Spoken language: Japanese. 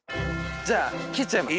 じゃあ切っちゃいます。